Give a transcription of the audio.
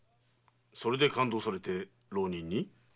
それで勘当されて浪人に？